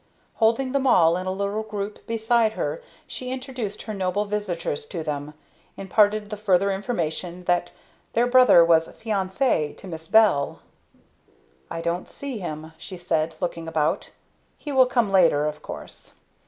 Holding them all in a little group beside her, she introduced her noble visitors to them; imparted the further information that their brother was fiance to Miss Bell. "I don't see him," she said, looking about. "He will come later, of course.